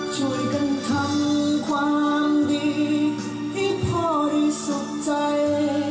ช่วยกันทำความดีให้พ่อรู้สุขใจ